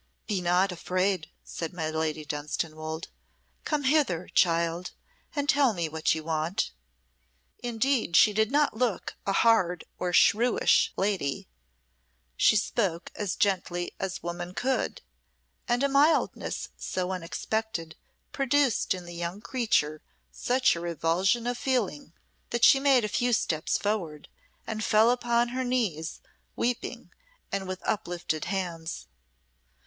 "Be not afraid," said my Lady Dunstanwolde. "Come hither, child, and tell me what you want." Indeed, she did not look a hard or shrewish lady; she spoke as gently as woman could, and a mildness so unexpected produced in the young creature such a revulsion of feeling that she made a few steps forward and fell upon her knees, weeping, and with uplifted hands.